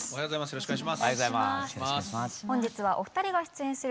よろしくお願いします。